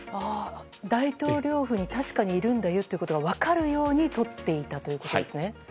大統領府に確かにいるんだよと分かるように撮っていたということですね。